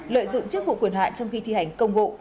lợi dụng chức vụ quyền hạn trong khi thi hành công vụ